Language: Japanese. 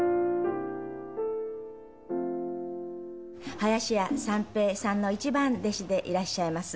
林家三平さんの一番弟子でいらっしゃいます。